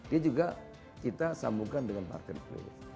dia juga kita sambungkan dengan marketplace